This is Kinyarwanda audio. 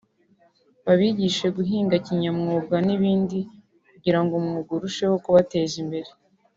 babigishe guhinga kinyamwuga n’ibindi kugira ngo umwuga urusheho kubateza imbere